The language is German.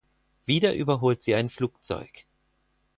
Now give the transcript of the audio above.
Wieder überholt sie ein Flugzeug.